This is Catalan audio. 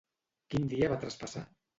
Quin dia va traspassar?